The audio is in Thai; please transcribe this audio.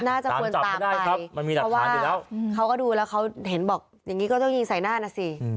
น่าจะควรตามไปเพราะว่าเขาก็ดูแล้วเขาเห็นบอกอย่างนี้ก็ต้องยิงใส่หน้านะสิ